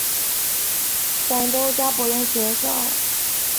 广东中加柏仁学校。